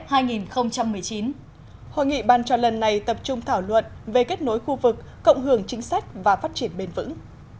hội nghị bàn tròn lần này tập trung thảo luận về kết nối khu vực cộng hưởng chính sách và phát triển bền vững